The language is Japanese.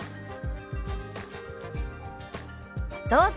どうぞ。